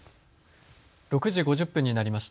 ６時５０分になりました。